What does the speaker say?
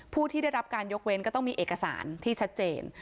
ผู้ที่ได้รับการยกเว้นก็ต้องมีเอกสารที่ชัดเจน